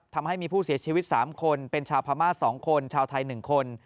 ทำให้มีผู้เสียชีวิต๓คนเป็นชาวพม่า๒คนชาวไทย๑คน